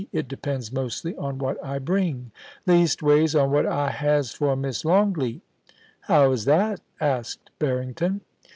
It depends mostly on what I bring — ^leastways, on what I has for Miss Longleat* * How is that ?* asked Barrington.